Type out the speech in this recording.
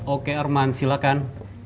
oke arman silahkan